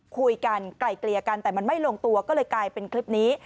ไกลเกลี่ยกันแต่มันไม่ลงตัวก็เลยกลายเป็นคลิปนี้